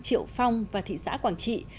triệu phong và thị xã quảng trị